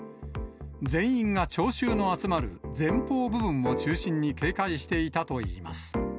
全員が聴衆の集まる前方部分を中心に警戒していたといいます。